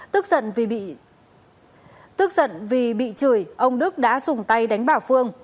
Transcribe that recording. tức giận vì bị chửi ông đức đã dùng tay đánh bà phương